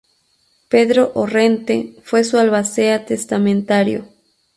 Pedro Orrente fue su albacea testamentario.